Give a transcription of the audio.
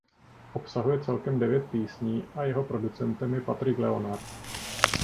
Obsahuje celkem devět písní a jeho producentem je Patrick Leonard.